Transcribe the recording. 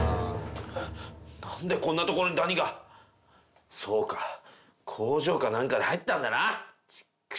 なんでこんなところにダニがそうか工場かなんかで入ったんだな畜生！